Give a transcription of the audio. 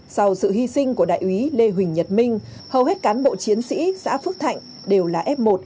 sau sự hy sinh của đại úy lê huỳnh nhật minh hầu hết cán bộ chiến sĩ xã phước thạnh đều là f một